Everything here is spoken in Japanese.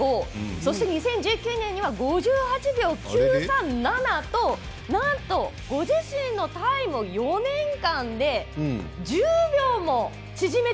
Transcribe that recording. そして、２０１９年には５８秒９３７となんと、ご自身のタイム４年間で１０秒も縮めているんですよ。